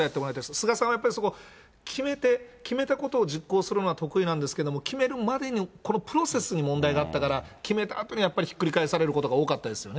菅さんはやっぱりそこ、決めて、決めたことを実行するのは得意なんですけれども、決めるまでのこのプロセスに問題があったから、決めたあとにやっぱりひっくり返されることが多かったですよね。